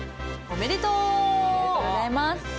ありがとうございます。